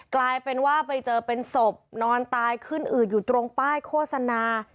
กลายเป็นว่าไปเจอเป็นศพนอนตายขึ้นอืดอยู่ตรงป้ายโฆษณา